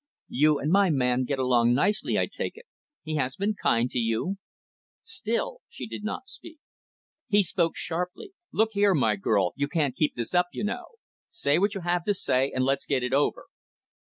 "You and my man get along nicely, I take it. He has been kind to you?" Still she did not speak. He spoke sharply, "Look here, my girl, you can't keep this up, you know. Say what you have to say, and let's get it over."